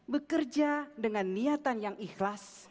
bekerja dengan niatan yang ikhlas